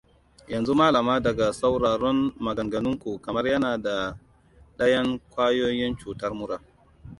yanzu malama daga sauraron maganganun ku kamar yana da ɗayan ƙwayoyin cutar mura